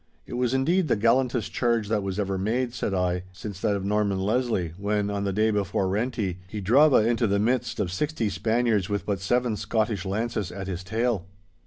'It was indeed the gallantest charge that ever was made,' said I, 'since that of Norman Leslie, when, on the day before Renti, he drava into the midst of sixty Spaniards with but seven Scottish lances at his tail.